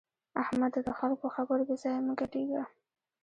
احمده! د خلګو په خبرو بې ځایه مه ګډېږه.